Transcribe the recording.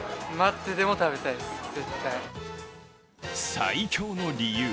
最強の理由。